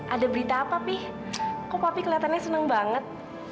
ada berita apa pi kok papi kelihatannya senang banget